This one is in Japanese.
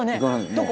どこ！？